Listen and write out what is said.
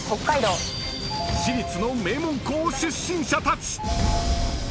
［私立の名門校出身者たち！］